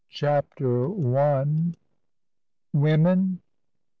CHAPTER I. " Women.